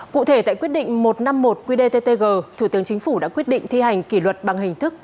cụ thể tại quyết định một trăm năm mươi một qdttg thủ tướng chính phủ đã quyết định thi hành kỷ luật bằng hình thức